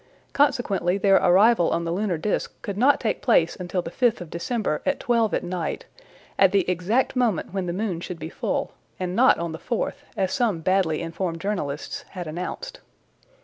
Consequently, their arrival on the lunar disc could not take place until the 5th of December at twelve at night, at the exact moment when the moon should be full, and not on the 4th, as some badly informed journalists had announced.